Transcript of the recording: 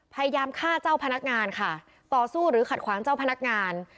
พยายามฆ่าเจ้าพนักงานค่ะต่อสู้หรือขัดขวางเจ้าพนักงาน